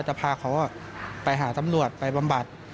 จะพาเขาไปหาตำรวจไปบำบัด